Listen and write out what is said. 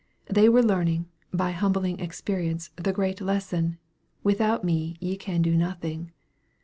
They were learning by humbling experience the great lesson, " without me ye can do nothing."